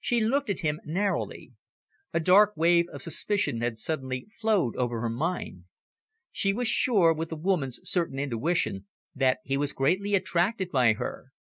She looked at him narrowly. A dark wave of suspicion had suddenly flowed over her mind. She was sure, with a woman's certain intuition, that he was greatly attracted by her.